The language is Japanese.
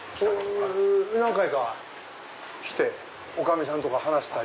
何回かは来て女将さんとか話したり。